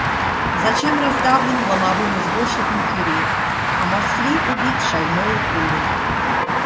Зачем раздавлен ломовым извозчиком Кюри, а Мосли убит шальною пулей?